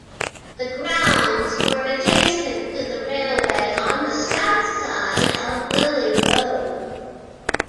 The grounds were adjacent to the railway on the south side of Lillie Road.